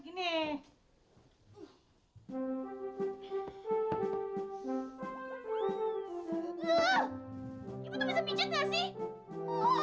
disini disini disini